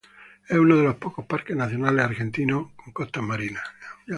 Es uno de los pocos parques nacionales argentinos con costas marinas.